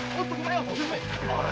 あれ？